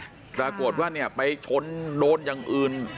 ปรากฏว่าเนี่ยไปชนโดนอย่างอื่น